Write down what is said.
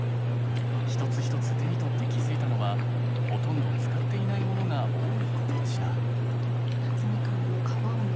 一つ一つ手に取って気づいたのはほとんど使っていないものが多いことでした。